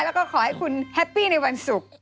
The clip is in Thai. แล้วก็ขอให้คุณแฮปปี้ในวันศุกร์